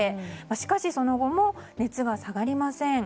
しかしその後も熱が下がりません。